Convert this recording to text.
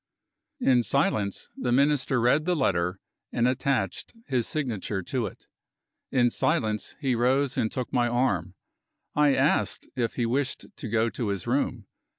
In silence, the Minister read the letter, and attached his signature to it. In silence, he rose and took my arm. I asked if he wished to go to his room.